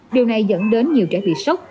điều này dẫn đến nhiều trẻ bị sốc